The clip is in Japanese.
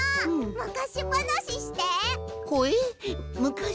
むかしばなしとな？